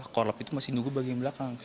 korlap itu masih nunggu bagian belakang